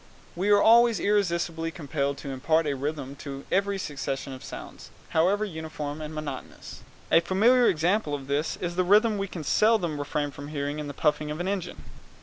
We are always irresistibly compelled to impart a rhythm to every succession of sounds, however uniform and monotonous. A familiar example of this is the rhythm we can seldom refrain from hearing in the puffing of an engine.